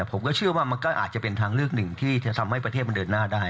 ผมก็เชื่อว่ามันก็อาจจะเป็นทางเลือกหนึ่งที่จะทำให้ประเทศมันเดินหน้าได้